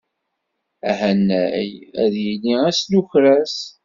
Ahanay ad d-yili ass n ukras.